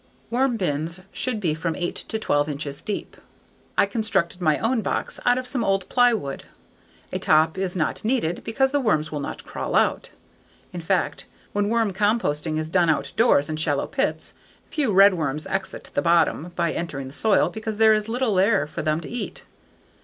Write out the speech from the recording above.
Worm bins should be from eight to twelve inches deep. I constructed my own box out of some old plywood. A top is not needed because the worms will not crawl out. In fact, when worm composting is done outdoors in shallow pits, few redworms exit the bottom by entering the soil because there is little there for them to eat.